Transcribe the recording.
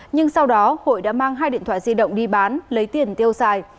nhưng sau đó hội đã mang hai điện thoại di động đi bán lấy tiền tiêu xài